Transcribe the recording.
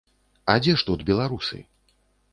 А дзе ж тут беларусы?